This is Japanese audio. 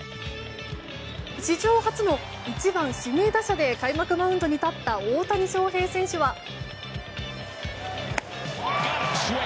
史上初の１番指名打者で開幕マウンドに立った大谷翔平選手は。